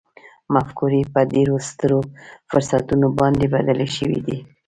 مفکورې په ډېرو سترو فرصتونو باندې بدلې شوې دي